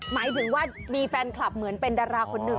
หมายถึงว่ามีแฟนคลับเหมือนเป็นดาราคนหนึ่ง